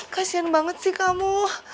kasian banget sih kamu